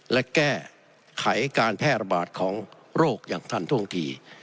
และแก้ไขการแพร่ระบาดของโรคอย่างทันท่วงที